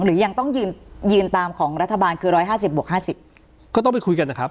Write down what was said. หรือยังต้องยืนยืนตามของรัฐบาลคือร้อยห้าสิบบวกห้าสิบก็ต้องไปคุยกันนะครับ